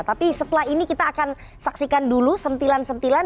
tapi setelah ini kita akan saksikan dulu sentilan sentilan